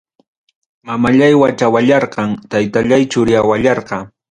Mamallay wachallawarqa, Taytallay churiallawarqa